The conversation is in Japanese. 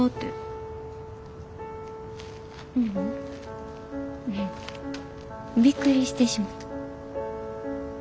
ううんびっくりしてしもた。